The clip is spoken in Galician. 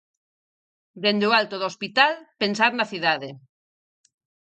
Dende o alto do hospital, pensar na cidade.